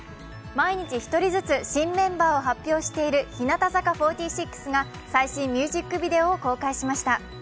毎日１人ずつ新メンバーを発表している日向坂４６が最新ミュージックビデオを公開しました。